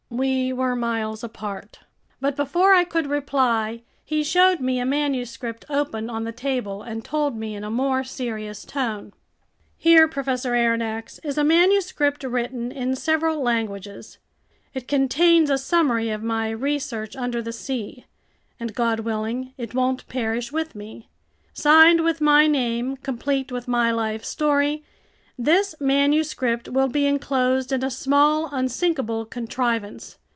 We were miles apart. But before I could reply, he showed me a manuscript open on the table and told me in a more serious tone: "Here, Professor Aronnax, is a manuscript written in several languages. It contains a summary of my research under the sea, and God willing, it won't perish with me. Signed with my name, complete with my life story, this manuscript will be enclosed in a small, unsinkable contrivance.